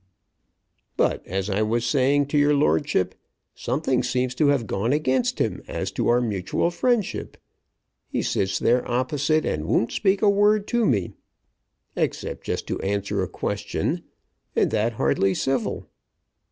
But, as I was saying to your lordship, something seems to have gone against him as to our mutual friendship. He sits there opposite and won't speak a word to me, except just to answer a question, and that hardly civil.